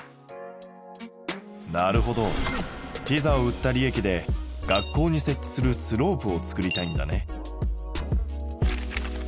なるほどピザを売った利益で学校に設置するスロープを作りたいんだね。